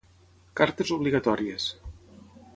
Cartes obligatòries.